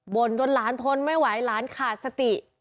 ่นจนหลานทนไม่ไหวหลานขาดสติ